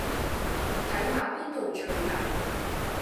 睇吓邊度最抵